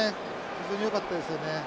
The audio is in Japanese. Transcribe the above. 非常に良かったですよね。